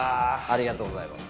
ありがとうございます。